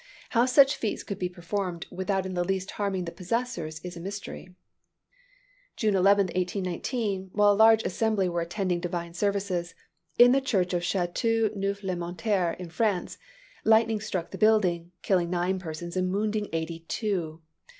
How such feats could be performed without in the least harming the possessors is a mystery. June 11, 1819, while a large assembly were attending divine services in the church of Chateau Neuf les Montiers, in France, lightning struck the building, killing nine persons and wounding eighty two.